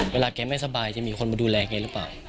เวลาแกไม่สบายจะมีคนมาดูแลแกหรือเปล่า